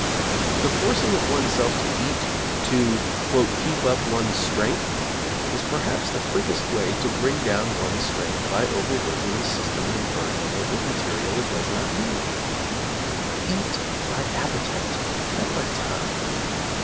The forcing of oneself to eat to 'keep up one's strength,' is perhaps the quickest way to bring down one's strength by overworking the system and burdening it with material it does not need. Eat by appetite, not by time.